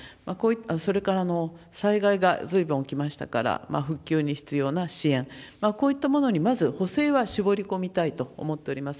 それから、災害がずいぶん起きましたから、復旧に必要な支援、こういったものにまず補正は絞り込みたいと思っております。